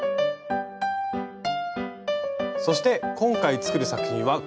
そして今回作る作品はこちら。